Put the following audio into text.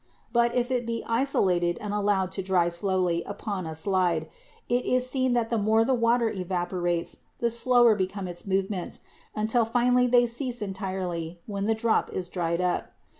"But if it be isolated and allowed to dry slowly upon a slide, it is seen that the more the water evaporates the. slower become its movements, until finally they cease en tirely when the drop is dried up.